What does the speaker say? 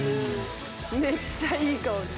めっちゃいい香り。